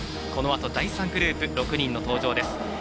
このあと第３グループ６人の登場です。